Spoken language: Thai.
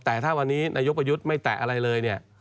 แต่ถ้าวันนี้นายกประยุทธ์ไม่แตะอะไรเลยเนี่ย